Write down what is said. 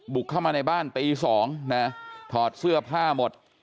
เข้ามาในบ้านตี๒นะถอดเสื้อผ้าหมด